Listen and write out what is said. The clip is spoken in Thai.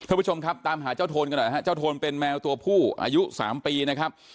ทุกผู้ชมครับตามหาเจ้าโทนก็ได้ฮะเจ้าโทนเป็นแมวตัวผู้อายุสามปีนะครับ